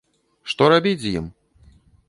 Што рабіць з ім?